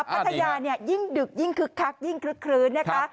พัทยายิ่งดึกยิ่งคลึกคลึก